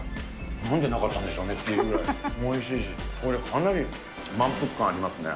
なんでなかったんでしょうねっていうぐらいおいしいし、これ、かなり満腹感ありますね。